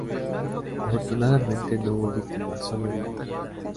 Afortunadamente no hubo víctimas, sólo heridos.